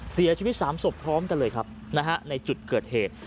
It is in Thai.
เสียชีวิต๓ศพพร้อมกันเลยครับในจุดเกิดเหตุ